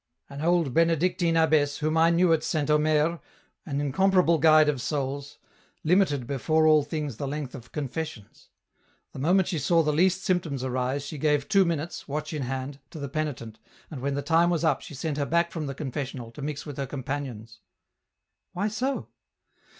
"An old Benedictine abbess, whom I knew at Saint Omer, an incomparable guide of souls, limited before all things the length of confessions. The moment she saw the least symptoms arise she gave two minutes, watch in hand, to the penitent and when the time was up she sent her back from the confessional, to mix with her companions." " Why so